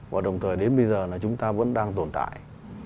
và đồng thời đến bây giờ là chúng ta vẫn đang tồn tại